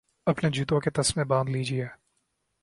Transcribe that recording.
اپنے جوتوں کے تسمے باندھ لیجئے